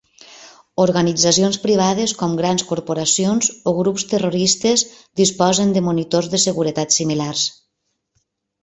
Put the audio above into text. Organitzacions privades com grans corporacions o grups terroristes disposen de monitors de seguretat similars.